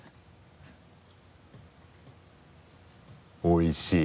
おいしい。